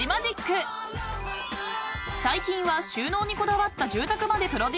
［最近は収納にこだわった住宅までプロデュース］